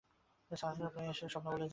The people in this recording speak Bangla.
ছাত্ররা প্রায়ই এসে স্বপ্ন বলে যায়।